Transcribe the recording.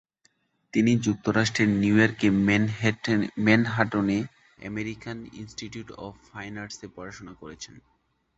তিনি যুক্তরাষ্ট্রের নিউইয়র্কের ম্যানহাটনে আমেরিকান ইন্সটিটিউট অব ফাইন আর্টসে পড়াশোনা করেছেন।